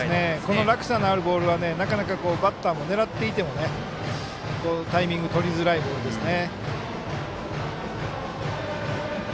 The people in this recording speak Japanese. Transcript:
この落差のあるボールはなかなかバッターも狙っていても、タイミングとりづらいボールですね。